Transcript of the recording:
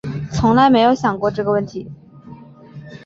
从来没有想过这个问题